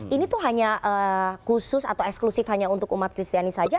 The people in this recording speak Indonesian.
ini tuh hanya khusus atau eksklusif hanya untuk umat kristiani saja